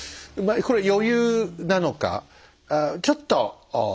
これは余裕なのかちょっとのんき。